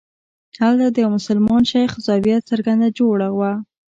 هلته د یوه مسلمان شیخ زاویه څرنګه جوړه وه.